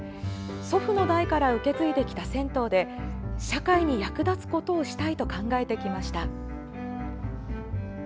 祖父の代から受け継いできた銭湯で「社会に役立つことをしたい」と考えてきました。